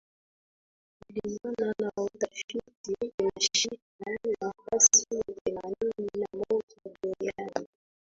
Kulingana na utafiti inashika nafasi ya themanini na moja duniani